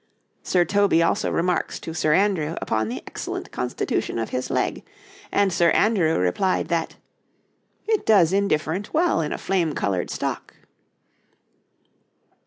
Sir Toby also remarks to Sir Andrew upon the excellent constitution of his leg, and Sir Andrew replied that: 'It does indifferent well in a flame coloured stock.'